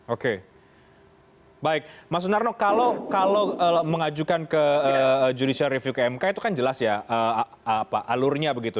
oke baik mas sunarno kalau mengajukan ke judicial review ke mk itu kan jelas ya alurnya begitu